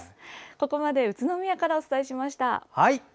ここまで宇都宮からお伝えしました。